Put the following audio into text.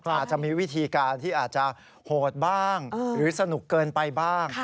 ก็อาจจะมีวิธีการที่อาจจะโหดบ้างหรือสนุกเกินไปบ้าง